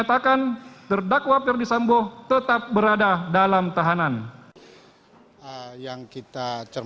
tanggal lima oktober dua ribu dua puluh dua